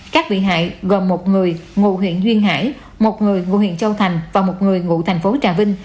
các bị hại gồm một người ngụ huyện duyên hải một người ngụ huyện châu thành và một người ngụ thành phố trà vinh